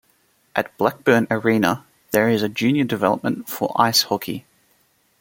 At Blackburn Arena, there is a junior development for ice hockey.